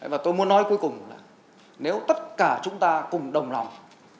và tôi muốn nói cuối cùng là nếu tất cả chúng ta cùng đồng lòng